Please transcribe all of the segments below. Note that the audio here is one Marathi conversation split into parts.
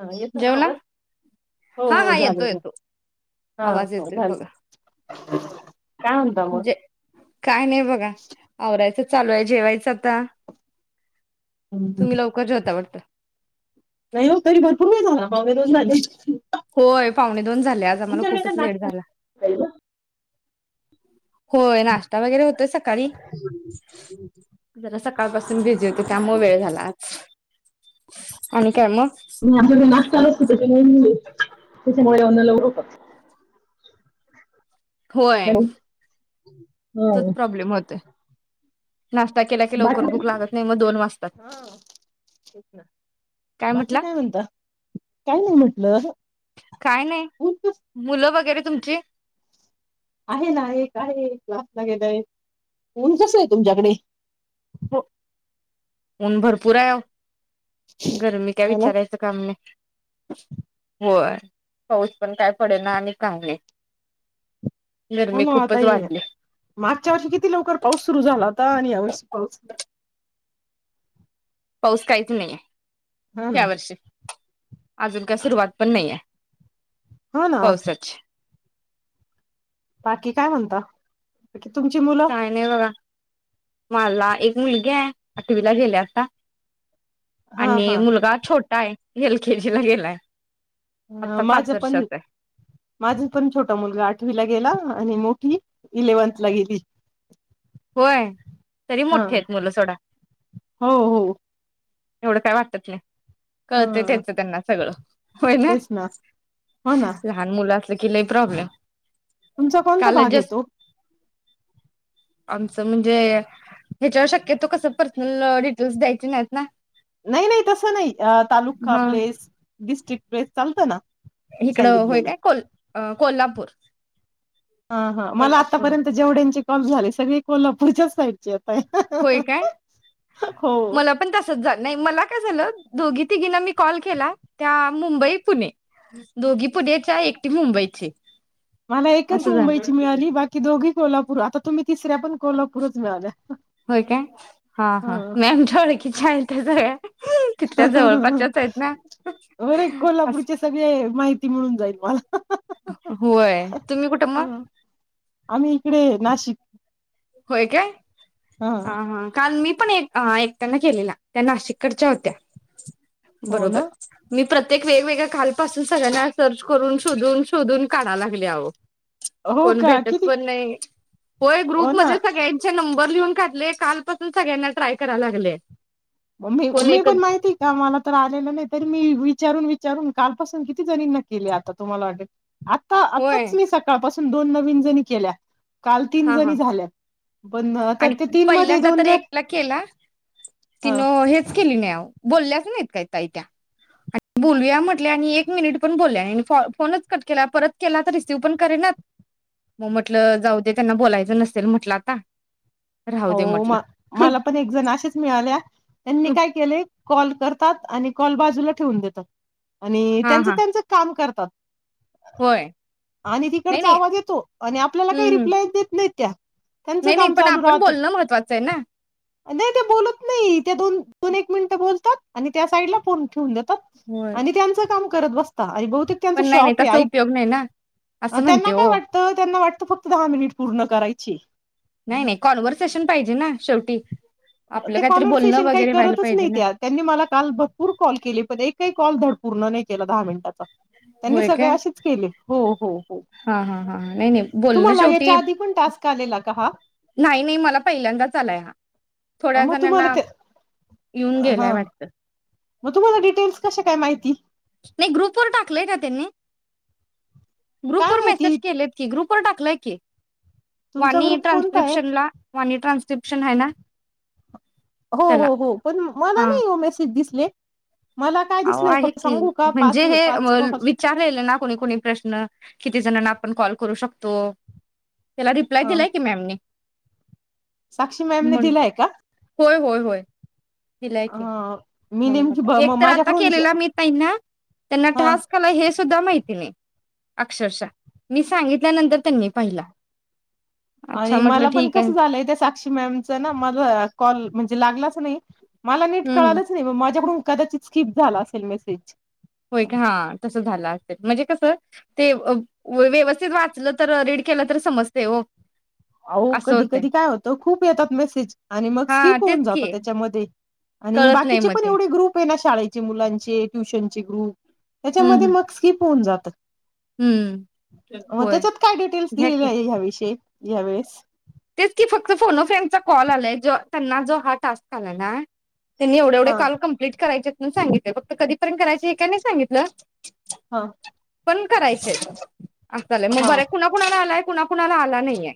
हा येतो ना जेवला आवाज हो हां, हो हां, येतो, झालं झालं येतो, हा आवाज हो येतोय झालं बघा. काय म्हणता मग काय नाय बघा. आवरायचं चालूय, जेवायचं आता. हं, हं. तुमी लवकर जेवता वाटतं. नाही हो तरी भरपूर वेळ झाला, पावणेदोन झाले. होय पाहुणेत. दोन झाले आज आम्हाला तुमच्याकडे खूपच काय लेट नाश्ता झाला. आहे का? [inaudible] होय नाष्टा वगैरे होतोय सकाळी, जरा सकाळपासून बिझी होते. त्यामुळं वेळ झालाच. आणि काय म? [unintelligible] तेच्यामुळे अन्न लवकर पच होय! तोच हो प्रॉब्लेम होतोय. नाष्टा केला की लवकर बाकी भूक लागत नाय. मग दोन वाजतात. हा तेच ना काय बाकी म्हटला? म्हणता काय नाही म्हटलं ऊन कस चे आहे ना. एक आहे. एक क्लासला गेलंय. ऊन कसंय तुमच्याकडे? हो, ऊन भरपूर आहे अहो. गरमी काय हो ना विचारायचं काम नाय. होय, पाऊस पण काय पडेना आणि काय नाय. हो ना. आता ये ए, मागच्या वर्षी किती लवकर पाऊस सुरु झाला ता आणि यावर्षी पाऊस पाऊस काहीच नाहीये. हा ना ह्या वर्षी अजून काय सुरवात पण नाहीेये. हो ना पावसाची बाकी काय म्हणता? की तुमची मुलं काय नाही बघा मला एक मुलगी आहे, आठवीला गेली आता. हा आणि हा मुलगा छो टा हाय एलकेजीला गेलाय. ह आता माझ पाच पण वर्षाचा आहे माझा पण छोटा मुलगा आठवीला गेला आणि मोठी इलेव्हन्थला गेली होय तरी हा मोठे आहेत मुलं सोडा हो हो एवढं काय वाटत नाही कळतय हा त्याचं त्यांना सगळं, होय ना हो ना लहान मुलाच कि लई प्रॉब्लेम तुमचा कोणता काल भाग जस्ट येतो? आमचं म्हणजे ह्याच्यावर शक्यतो कस पर्सनल डिटेल्स द्यायचे नाहीत ना? नाही नाही तस नाही तालुका हा प्लेस डिस्ट्रिक? वेस चालतं ना. हिकडं होय सांगितलेला काय कोल अ कोल्हापूर. हा हा, मला कोल्हापूर आतापर्यंत जेवढ्यांची कॉल झाले सगळी कोल्हा पूरच्याच साईडची आहेत. होय काय हो मला पण तसच झाल. नाही मला काय झालं दोघी तिघीना मी कॉल केला, त्या मुंबई पुणे दोघी पुण्याच्या एकटी मुंबईची. मला एकच असं झालं मुंबईची मिळाली बाकी दोघी कोल्हापूर आता तुम्ही तिसऱ्या पण कोल्हापूरच मिळाल्या व्हय काय हा हा मॅम च्या ओळखीच्या आहेत त्याच काय ह हा हा बरय असं कोल्हापूरचे सगळे माहिती ती मिळून जाईल मला होय तुम्ही कुठं मग? ह आम्ही इकडे नाशिक व्हय काय? ह हा हा काल मी पण एक एक त्यांना केलेला त्या नाशिककडच्या होत्या हो ना बरोबर मी प्रत प्रत्येक वेगवेगळ्या कालपसून सगळ्यांना सर्च करून शोधून शोधून काढाय लागल्य आओ हो का किती नाही होय हो ना ग्रुपमध्ये सगळ्यांचे नंब बर लिहून काढले कालपासून सगळ्यांना ट्राय करायला लागले मी कोण मी एकच पण माहिती का मला तर आलेलं नाही तरी मी वी विचारून विचारून कालपासून किती जणींना केले आता तुम्हाला वाटे आता होय आताच मी सकाळपासून दोन नवीन जणी केल्या काल तीन हा हा. जणी झाल्या पण त्या आणि ते तीन मध्ये पहिल्यांदा दोन जण तीन ह हेच केली नाही यावं बोलल्याच नाहीत काही ताई त्या आणि बोलूया म्हटल्या आणि एक मिनिट पण बोलल्या नाहीत फोनच कट केल्या परत केला तर रिसिव्ह पण करन्यात म म्हटल जावू देत ते त्यांना बोलायचं नसेल म्हटलं आता राहू दे आओ म्हटलं. मला पण एक जण असेच मिळाल्या त्यांनी काय केले कॉल करतात आणि? कॉल बाजूला ठेवून देतात आणि हा त्यांचं हा त्यांचं काम करतात होय आणि नाही तिकडचा नाही आवाज येतो आणि आपल्याला हम्म काही हम्म रिप्लाय देत नाहीत त्या त्यांचं नाही नाही काम पण चालू आपण राहत बोलणं महत्त्वाचं आहे ना. नाही ते बोलत नाही ते दोन दोन एक मिनिटं बोलतात आणि त्या साईड ला फोन ठेवून देत होय आणि त्यांचं काम करत बसता आई बाऊथ त्यांचं पण नाही नाही शॉप हे तसा ऐब उपयोग नाही ना असं अन् त्यांना म्हणते काय ओ. वाटतं त्यांना वाटतं फक्त दहा मिनिट पूर्ण करायची नाही नाही कॉलवर शिक्षण पाहिजे ना शेवटी आपलं ते काहीतरी बोलणं कॉन्व्हर्सेशन काही वगैरे व्हायला करतच पाहिजे नाही ना त्या त्यांनी मला काल भरपूर कॉल केले पण काही कॉल धड पूर्ण नाही केला दहा मिनिटाचा त्यांनी होय सगळे काय असेच केले हो हो हो हा, हा ह नाही नाही बोल ना तुम्हाला याच्या शेवटी आधी पण टास्क आलेला का हा नाही, नाही मला पहिल्यांदाच आलाय हा थोड्या मग तुम्हाला जणांना ते येऊन गेलाय हा वाटत मग तुम्हाला डिटेल्स कशा काय माहिती नाही ग्रुप वर टाकलंय का त्यांनी ग्रुप काय वर माहिती मेसेज केलेत की ग्रुप ग्रुपवर टाकलंय की तुमचा वाणी ग्रुप कोणता आहे ट्रान्स्क्रिप्शन ला मनी ट्रान्सक्र्रीपशन आहे ना हो हो त्याला हो पण मला हा नाही ओ मेसेज दिसले मला काय अहो दिसलंय आहे फक्त की सांगू का म्हणजे पाच हे पाच विचारलेलं ना कोणी कोणी प्रश्न किती जणांना आपण कॉल करू शकतो त्याला रिप्लाय ह दिलाय की मॅमने साक्षी मॅमनेे म्हण दिलाय का होय, होय, होय दिलाय अ की मी म्हणून नेमकी एक तर आता माझ्याकडून केलेला मी तई ना त्यांना हा टासकाला हेच सुद्धा माहिती नाही अक्षरशः मी सांगितल्यानंतर त्यांनी पाहिला अच्छा आणि म्हटलं मला पण ठीक आहे कस झालंय त्या साक्षी मॅमच ना मला कॉल म्हण लागलाच नाही मला नीट हम्म कळालंच नाही माझ्याकडून कदाचित स्किप झाला असेल मेसेज होय का हा तस झालं असेल म्हणजे कसं ते व्यवस्थित वाचलं तर रीड केलं तर समजते ओ अह कधी कधी काय होत खूप येतात मेसेज आणि मग हा स्किप तेच होऊन जात की त्याच्यामध्ये आणि कळत नाही बाकीचे मग पण ते एवढे ग्रुप आहे ना शाळेचे मुलांचे ट्युशन चे ग्रुप ह्याच्यामध्ये हम्म मग स्किप होऊन जात हम्म म होय त्याच्यात काय डिटेल्स घ्या दिलेले की आहे ह्याविषयी ह्या वेळेस तेच की फक्त फोन अ फ्रेंचा कॉल आलाय, जो त्यांना जो हा टास्क आलाय ना त्यांनी एवढे एवढे हा काॅल कमप्लीट करायचेत. न सांगितलं फक्त कधीपर्यं करायचे हे काय नाही सांगितलं. हा. पण करायचंय असं झालंय, मग हा बरे कुणा कुणाला आलाय? कुणा कुणाला आला नाहीये.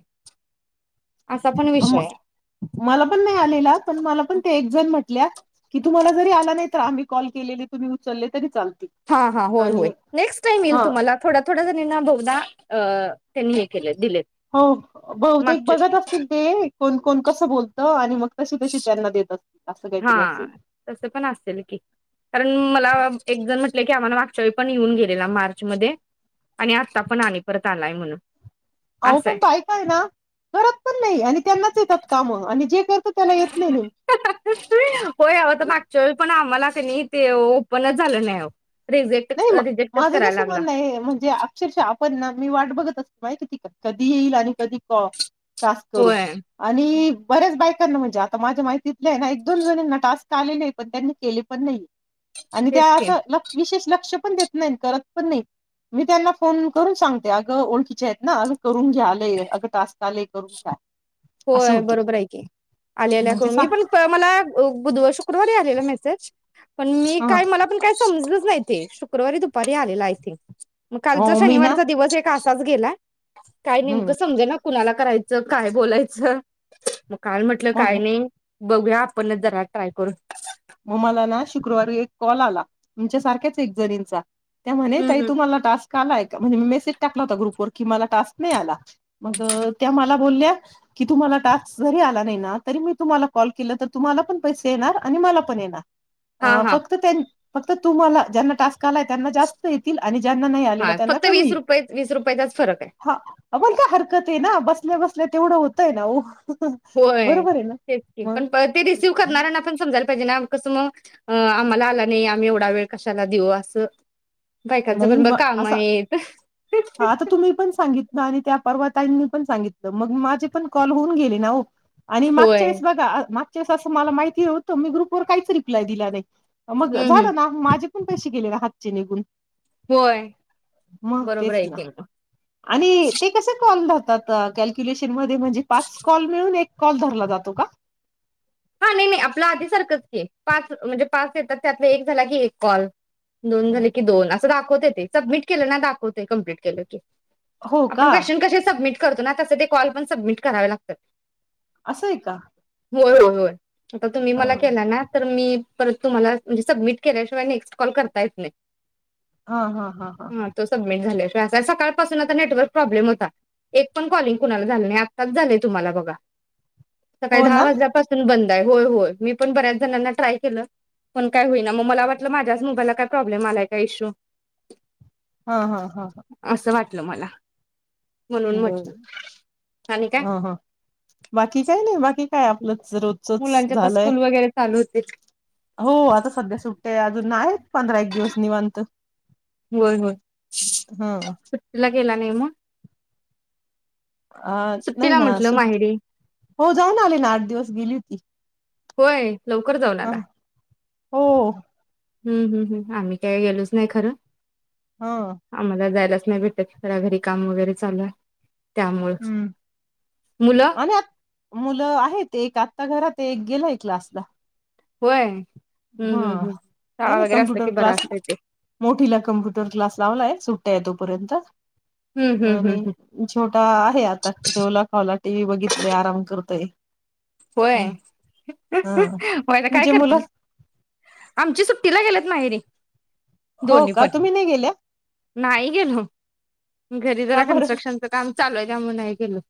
असा पण विषय म आहे. मला पण नाही आलेला पण मला पण ते एक जण म्हट या की तुम्हाला जरी आला नाहीतर आम्ही कॉल केलेले तुम्ही उचलले तरी चाल हा हा, होय होय नेक्स्ट टाईम येईल हा तुम्हाला थोड्या थोड्या जणीना बहु दा अ त्यांनी हे केलेत. हो बहुतेक बघत असतील ते ए कोण कोण कसं बोलतं आणि मग तशी तशी त्यांना देतात. हा तस पण असेल की, कारण मला एकजण म्हटले की आम्हाला मा चल पण येऊन गेलेला मार्च मध्ये आणि आत्ता पण आणि परत आलाय म्हण अव काही काही ना करत पण नाही आणि त्यांनाच येतात काम आणि जे कर त्याला येत नाही होय हवं तर बाई. मागच्या वेळी पण आम्हाला का नाही ते ओपनच झालं नाही अहो नाही रिजेक्ट रिजेक्टच ममाझ करायला कस लागला म्हणण म्हणजे अक्षरशः आपण ना मी वाट बघत असत माहिती तक कधी येईल आणि कधी क टास्क करू होय आणि बऱ्याच बायकांना म्हणजे आता माझ्या माहितीतल्या आहे ना एक दोन जणीना टास्क आले नाही, पण त्यांनी केले पण नाही. आणि त्या तेच की असं लक्ष विशेष ल लक्ष पण देत नाहीत करत पण नाही मी त्यांना फोन करून सांगते अगं ओळखीच्या आहेत ना अग करून घ्या आले अग टास्क आले करून घ्या. असं होय होतं बरोबर आहे की, आल्या आल्या म्हणजे करून मी सांग पण मला बुधवार शु क्रवारी आलेला मेसेज पण मी ह काय मला पण काय समजच नाही ते शुक्रवारी दुपारी आलेला आय थिंक मग हो कालचा मी ना शनिवारचा दिवस एक काय असाच गेलाय. काय हम्म नेमकं समज ना कुणाला करायचं काय बोलाय झ मग काल म्हटलं मग काय नाही बघूया आपणच जरा ट्राय करून म मला ना शुक्रवारी एक कॉल आला तुमच्या सारख्याच एक जणींचा त्या म्हणे हम्म ताई हम्म. तुम्हाला टास्क आलाय का म्हणजे मेसेज टाकला होता ग्रुपवर की मला टास्क मिळाला मग अ त्या मला बोलल्या की तुम्हाला टास्क जरी आला नाहीना तरी मी तुम्हाला कॉल केला तुम्हाला पण पैसे येणार आणि मला पण पण येणार हा अ हा फक्त त्यांतं फक्त तुम्हाला ज्यांना टास्क आलाय त्यांना जास्त येतील आणि ज्यांना नाही आले हा त्यांना फक्त वीस कमी रुपये वीस रुपयाचाच फरक आहे हां होयं का हरकत आहे ना बसल्या बस तेवढं होतंय ना हो होय तेचं की पण ते रिसिव्ह करणाऱ्यांना पणं समजायला देणार कस मगं अं आम्हाला आला नाही आम्ही एवढा वेळ कशाला देऊ आसं नही मगं असा हा आता तुम्ही पण सांगित आणि त्या परवा ताईंनी पण सांगितलं मगं माझे पण कॉल होऊन गेले ना ओ आणि होय मागच्या वेळी बघा आ ते असं मला माहिती होतं मी ग्रुपवर काहीच रिप्लाय दिला नाही मगं हम्म हम्म झालं ना माझे कुठून पैसे गेले ना हात चे निघून होय मगं बरोबर आहे तेचं ना की मग. आणि ते कसे कॉल ध क कॅक्युलेशन मध्ये म्हणजे पाच कॉल मिळून एक कॉल धरला जातो का? हां नाही नाही आपलं आधी सारखंच ते पाच म्हणजे पाच येतात त्यातलं एक झाला की एक कॉल दोन झाले की दोन असं दाखवते ते सबमिट केलं ना दाखवते कम्प्लीट केलं की हो का आपण क्वेश्चन कसे सबमिट करतो ना तसे कॉल पण सबमिट करावे लागतात असयं का? होयं होयं होय आतां तुम्ही हा मला केला ना तर मी परत तुम्हांला म्हणजे सबमिट केल्याशिवाय नेक्स्ट कॉल करता येत नाही हा हा हा हा हां तो सबमिट झालाय. याचा सकाळ पासून आता नेटवर्क प्रॉब्लेम होता एक पण कॉलिंग कुणाला झालं नाही आत्ताच झालंय तुम्हाला बघा. सकाळी हो दहा ना वाजल्यापासून बंद आहे होयं होयं मी पणं बऱ्याचं जणांना ट्राय केलं पणं काय होईना, मला वाटलं माझ्याच मोबाईलला काय प्रॉब्लेम आलाय काय इशू हां हां हां मला म्हणून म्हटलं बरं आणि काय हां हां बाकी काय नाही बाकी हां आपलं मुलांच्या आता स्कूल वगैरे चालू [unintelligible] हो आता सध्या सुट्ट्या अजून आहेत पंधरा एक दिवस निवांत होयं होयं ह सुटलायं गेला नेमं आ नाही ना म्हटलं सुट माहेरी हो जाऊन आले ना आठ दिवस गेली होती. होयं. लवकर जाऊन ह आला. हो. हम् हम्म हम आम्ही कायं गेलोच नाही खरं. ह आम्हाला जायलाचं नाही भेटतं जरा घरी काम वगैरे चालूय. हम्म आल्यात मुलं आहेत एक आता घरात हाय एक गेलांय क्लासला होयं. हा कायं नाही कम्प्युटर की बरं क्लास असतंय ते मोठीला कम्प्युटर क्लास लावलाय सुट ट्टी आहे तोपर्यंत हम्म हम्म हम्म आणि हम्म छोटा आहे आता जेवला खावला टी व्ही बघितले आराम करतोय. होय हा व्हयं आता काय तुमचे मुलं करतील. आमच्या सुट्टीला गेलेत माहेरी हो दोन्ही का पण तुम्ही नाही गेल्या नाही गेलो घरी का जरा बरं कनस्ट्रक्शनच काम चालू आहे त्यामुळे नाही गेलोत.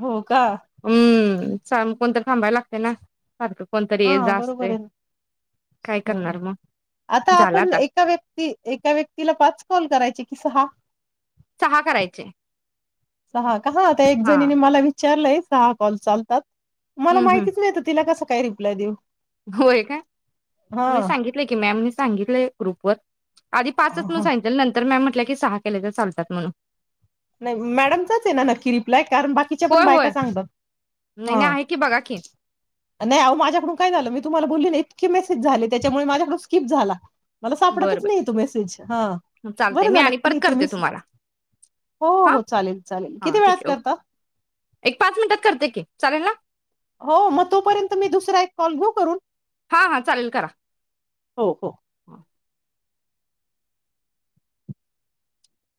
हो का. हम्म कोणतरी थांबायला लागतयं ना. कोणतरी ये हा जा बरोबर असतंय आहे काय ना करणार मग आता आपण एका व्यक्ती एका व्यक्तीला पाच कॉल करायचे कि सहा? सहा करायचे. सहा का एक हा जणीने मला विचारलंय. सहा कॉल चालतात. मला हम्म हम्म माहितीच नाही तर तिला कसं कायं रिप्लाय देऊ? होय कायं, हा मी सांगितलंय की मॅमनी सांगितलंय. रूखवत. आधी पाचचं म्हणून सांगितलेल नंतर मॅम म्हटल्या की की सहा केले तर चालतात म्हणून. नाही मॅडमचाच आहे ना नक्की रिप्लाय. कारण बाकीच्या पण होय होय बायका सांगतात नाही नाही ह. आहे की बघा की नाही अव माझ्याकडून काय झालं मी तुम्हाला बोलली नाही. इतके मेसेज झाले त्याच्यामुळे माझ्याकडून स्किप झाला. मला बरं सापडतच नाहीए तो मेसेज हा चालतंय बरं मी झाल आणि परत की करते तुम्हीच तुम्हाला हो हा हो चालेल चालेल हा किती वेळात ठीक आहे करता ओके एक पाच मिनटात करते की चालेल नां. हो मग तोपर्यंत मी दुसरा एक कॉल घेऊ करून? हा हा चालेल करा. हो हो